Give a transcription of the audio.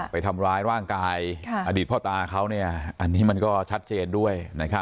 ประสานงานเนี่ย